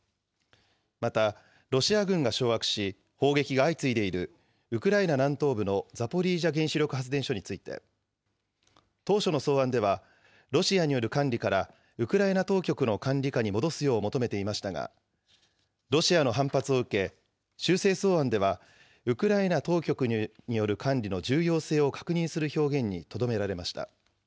また、ロシア軍が掌握し、砲撃が相次いでいるウクライナ南東部のザポリージャ原子力発電所について、当初の草案では、ロシアによる管理からウクライナ当局の管理下に戻すよう求めていましたが、ロシアの反発を受け、修正草案では、ウクライナ当局による管理の重要性を確認する表現にとどめられました。